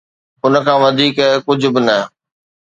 ان کان وڌيڪ ڪجھ به نه.